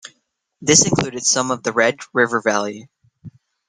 This included some of the Red River Valley.